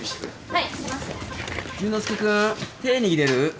はい。